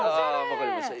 わかりました。